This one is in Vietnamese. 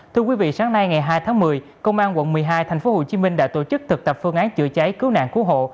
thưa quý vị sáng nay ngày hai tháng một mươi công an quận một mươi hai thành phố hồ chí minh đã tổ chức thực tập phương án chữa cháy cứu nạn cứu hộ